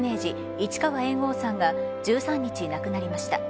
市川猿翁さんが１３日、亡くなりました。